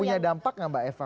punya dampak nggak mbak eva